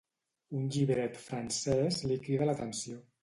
Un llibret francès li crida l'atenció.